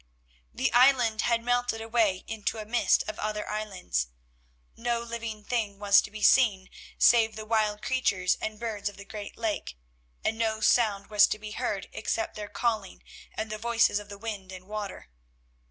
The island had melted away into a mist of other islands. No living thing was to be seen save the wild creatures and birds of the great lake, and no sound was to be heard except their calling and the voices of the wind and water.